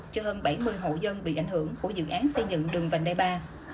cho hơn bảy mươi hộ dân bị ảnh hưởng của dự án xây dựng đường vành đai ba